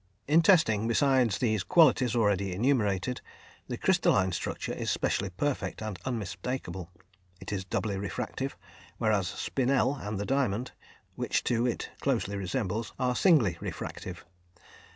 In testing, besides those qualities already enumerated, the crystalline structure is specially perfect and unmistakable. It is doubly refractive, whereas spinel and the diamond, which two it closely resembles, are singly refractive.